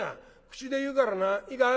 口で言うからないいか？